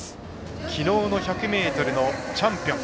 きのうの１００ｍのチャンピオン。